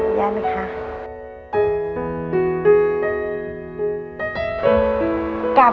หยากนะคะ